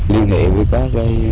liên hệ với các